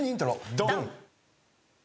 ドン！